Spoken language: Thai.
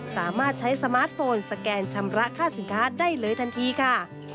สามารถใช้สมาร์ทโฟนสแกนชำระค่าสินค้าได้เลยทันทีค่ะ